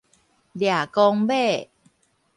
掠狂馬